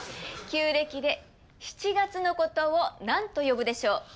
旧暦で７月のことを何と呼ぶでしょう？